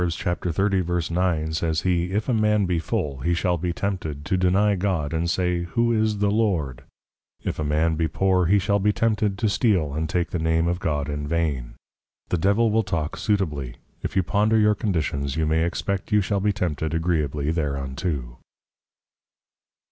30.9._ says he, if a man be Full, he shall be tempted, to deny God, and say, who is the Lord? if a man be Poor, he shall be tempted, to steal, and take the Name of God in vain. The Devil will talk suitably; if you ponder your Conditions, you may expect you shall be tempted agreeably thereunto.